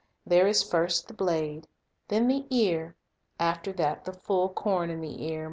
There is "first the blade, then the ear, after that the full corn in the ear."'